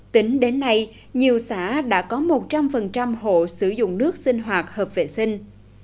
tính đến nay nhiều xã đã có một trăm linh hộ sử dụng nước sinh hoạt hợp vệ sinh